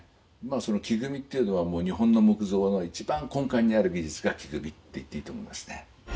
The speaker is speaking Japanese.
その木組みっていうのは日本の木造の一番根幹にある技術が木組みって言っていいと思いますね。